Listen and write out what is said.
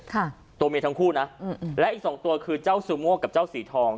ค่ะตัวเมียทั้งคู่นะอืมและอีกสองตัวคือเจ้าซูโม่กับเจ้าสีทอง